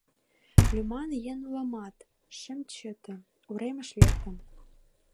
Лӱман еҥ уламат, шым чыте, уремыш лектым.